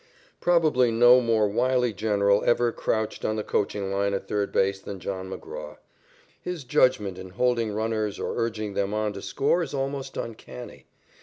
Probably no more wily general ever crouched on the coaching line at third base than John McGraw. His judgment in holding runners or urging them on to score is almost uncanny.